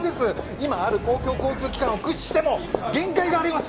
今ある公共交通機関を駆使しても限界があります